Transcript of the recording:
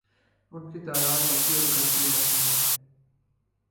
ان کی تعداد بڑھتی اور گھٹتی رہتی ہے